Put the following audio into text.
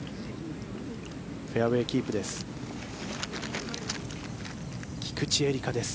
フェアウェーキープです。